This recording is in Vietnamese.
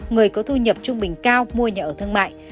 người có thu nhập trung bình cao mua nhà ở thương mại